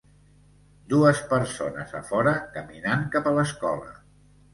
Dues persones a fora caminant cap a l'escola.